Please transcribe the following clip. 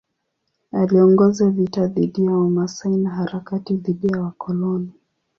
Aliongoza vita dhidi ya Wamasai na harakati dhidi ya wakoloni.